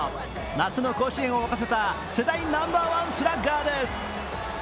夏の甲子園を沸かせた世代ナンバーワンスラッガーです。